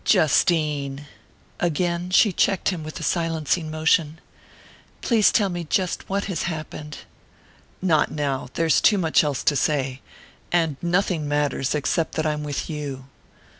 "Justine!" Again she checked him with a silencing motion. "Please tell me just what has happened." "Not now there's too much else to say. And nothing matters except that I'm with you."